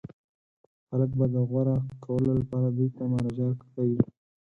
خلک به د غوره کولو لپاره دوی ته مراجعه کوي.